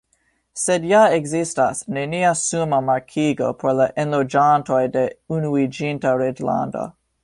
Sed ja ekzistas nenia suma markigo por la enloĝantoj de Unuiĝinta Reĝlando.